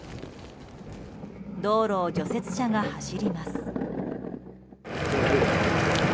道路を除雪車が走ります。